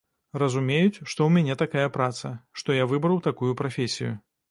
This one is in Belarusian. Разумеюць, што ў мяне такая праца, што я выбраў такую прафесію.